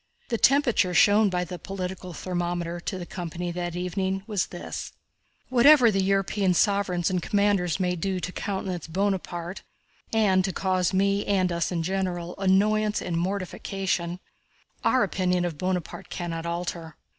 The temperature shown by the political thermometer to the company that evening was this: "Whatever the European sovereigns and commanders may do to countenance Bonaparte, and to cause me, and us in general, annoyance and mortification, our opinion of Bonaparte cannot alter.